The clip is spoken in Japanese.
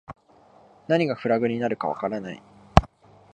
何がフラグになるかわからない